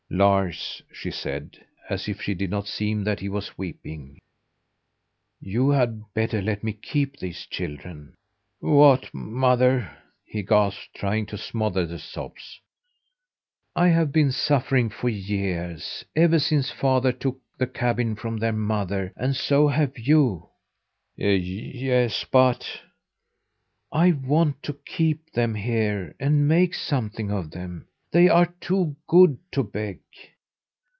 "Lars," she said, as if she did not see that he was weeping, "you had better let me keep these children." "What, mother?" he gasped, trying to smother the sobs. "I have been suffering for years ever since father took the cabin from their mother, and so have you." "Yes, but " "I want to keep them here and make something of them; they are too good to beg."